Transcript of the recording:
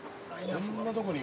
◆こんなところに。